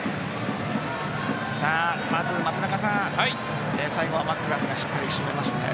まず、松中さん最後マクガフがしっかり締めましたね。